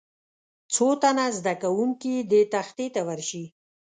څو تنه زده کوونکي دې تختې ته ورشي.